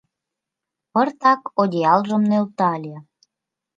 Пыртак одеялжым нӧлтале.